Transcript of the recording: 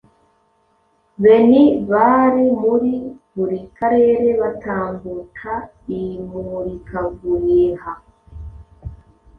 Benhi bari muri buri Karere batambuta imurikaguriha